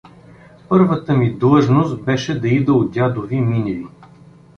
Първата ми длъжност беше да ида у дядови Миневи.